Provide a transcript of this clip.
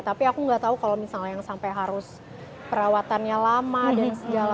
tapi aku nggak tahu kalau misalnya yang sampai harus perawatannya lama dan segala